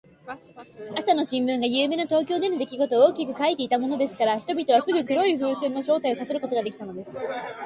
朝の新聞が、ゆうべの東京でのできごとを大きく書きたてていたものですから、人々はすぐ黒い風船の正体をさとることができたのです。